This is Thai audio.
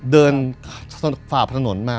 เดินฝ่าผ่านถนนมา